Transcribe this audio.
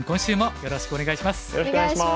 よろしくお願いします。